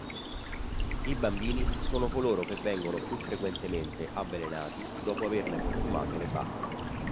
I bambini sono coloro che vengono più frequentemente avvelenati dopo averne consumato le bacche.